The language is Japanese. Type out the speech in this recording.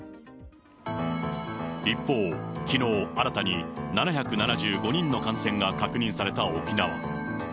一方、きのう新たに７７５人の感染が確認された沖縄。